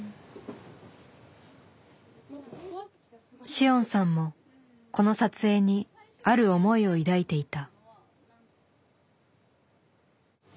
紫桜さんもこの撮影にある思いを抱いていた。